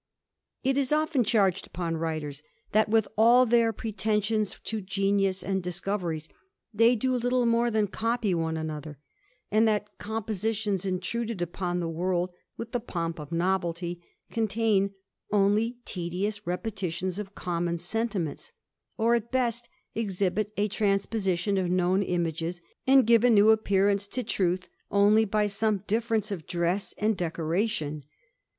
JT is often charged upon writers, that with all their pre tensions to genius and discoveries, they do little more ^^ copy one another; and that compositions intruded ^P^n the world with the pomp of novelty, contain only ^^ious repetitions of common sentiments, or at best ^liibit a transposition of known images, and give a new Appearance to truth only by some slight difference of dress A^d decoration.